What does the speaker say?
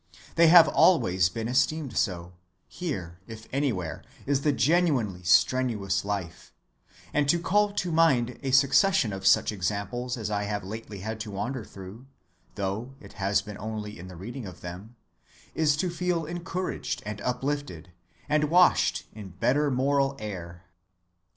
They have always been esteemed so; here if anywhere is the genuinely strenuous life; and to call to mind a succession of such examples as I have lately had to wander through, though it has been only in the reading of them, is to feel encouraged and uplifted and washed in better moral air.